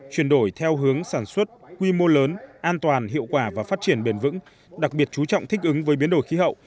chuyển đổi theo hướng sản xuất quy mô lớn an toàn hiệu quả và phát triển bền vững đặc biệt chú trọng thích ứng với biến đổi khí hậu